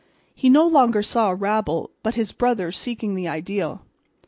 He no longer saw a rabble, but his brothers seeking the ideal.